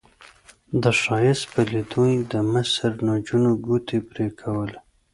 د ښایست په لیدو یې د مصر نجونو ګوتې پرې کولې.